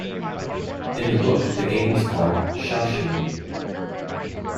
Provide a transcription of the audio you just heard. In the book, the game was called "shoushiling".